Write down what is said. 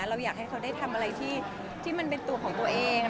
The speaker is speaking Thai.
เราอยากให้เขาได้ทำอะไรที่มันเป็นตัวของตัวเอง